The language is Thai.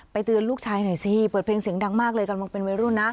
เตือนลูกชายหน่อยสิเปิดเพลงเสียงดังมากเลยกำลังเป็นวัยรุ่นนะ